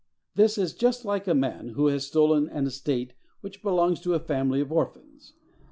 This is just like a man who has stolen an estate which belongs to a family of orphans.